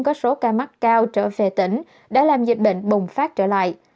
có số ca mắc cao trở về tỉnh đã làm dịch bệnh bùng phát trở lại